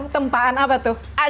tempaan apa tuh